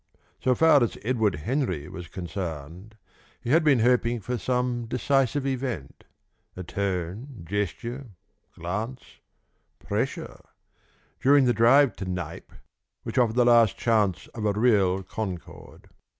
So far as Edward Henry was concerned, he had been hoping for some decisive event a tone, gesture, glance, pressure during the drive to Knype, which offered the last chance of a real concord.